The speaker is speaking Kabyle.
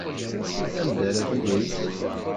Anda ara tili?